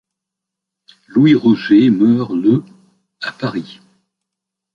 Louis Roger meurt le à Paris.